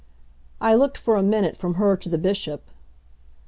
I looked for a minute from her to the Bishop.